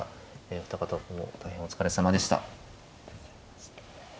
お二方とも大変お疲れさまでした。